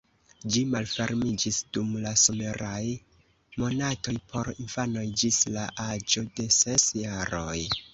Ĝi malfermiĝis dum la someraj monatoj por infanoj ĝis la aĝo de ses jaroj.